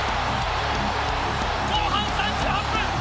後半３８分！